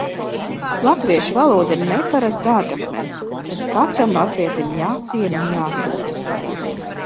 Latviešu valoda ir neparasts dārgakmens, kas katram latvietim jāciena un jākopj.